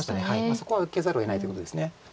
そこは受けざるをえないということです。